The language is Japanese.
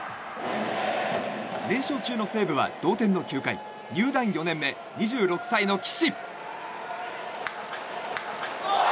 連勝中の西武は同点の９回入団４年目、２６歳の岸。